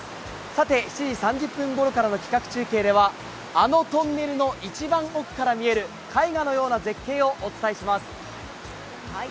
さて、７時３０分ごろからの企画中継では、あのトンネルの一番奥から見える絵画のような絶景をお伝えします。